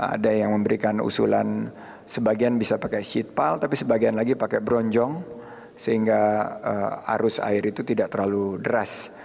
ada yang memberikan usulan sebagian bisa pakai sheet pal tapi sebagian lagi pakai bronjong sehingga arus air itu tidak terlalu deras